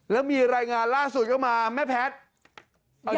แล้วมีรายงานล่าสุดเข้ามาแม่แพทย์